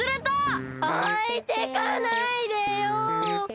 おいてかないでよ！